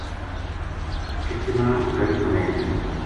کتنا گلی ما رہ گیا